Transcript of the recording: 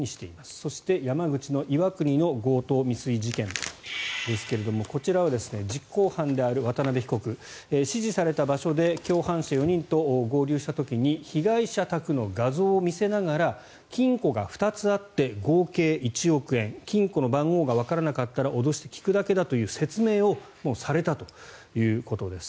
そして、山口の岩国の強盗未遂事件ですがこちらは実行犯である渡邉被告指示された場所で共犯者４人と合流した時に被害者宅の画像を見せながら金庫が２つあって合計１億円金庫の番号がわからなかったら脅して聞くだけだと説明をされたということです。